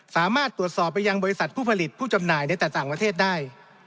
สามารถตรวจสอบไปยังบริษัทผู้ผลิตผู้จำหน่ายในแต่ต่างประเทศได้